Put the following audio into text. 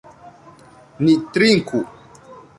Ni trinku!